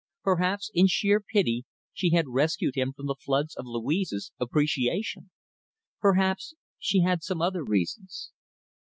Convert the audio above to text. Perhaps, in sheer pity, she had rescued him from the floods of Louise's appreciation. Perhaps she had some other reasons.